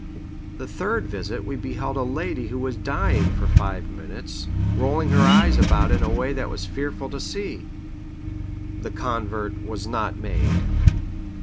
The third visit we beheld a lady who was dying for five minutes, rolling her eyes about in a way that was fearful to see. The convert was not made.